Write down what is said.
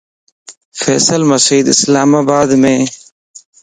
فيصل مسيڌ اسلام آبادمَ